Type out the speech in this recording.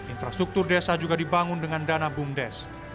infrastruktur desa juga dibangun dengan dana bumdes